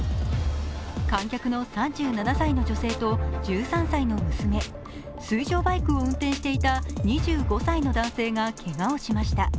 観客の３７歳の女性と１３歳の娘、水上バイクを運転していた２５歳の男性がけがをしました。